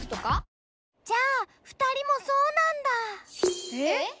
じゃあ２人もそうなんだ。え？